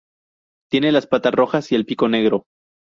Tiene las patas rojas y el pico negro.